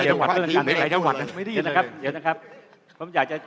คือผมว่าประเด็นสำคัญคือว่าก้าวไกรต้องเข้าใจประชาชนเท่านั้น